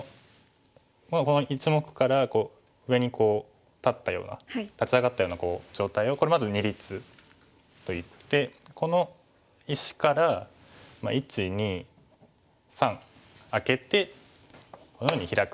この１目から上に立ったような立ち上がったような状態をこれまず「二立」といってこの石から１２３空けてこのようにヒラく。